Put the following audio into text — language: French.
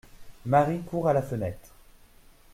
Marie court à la fenêtre.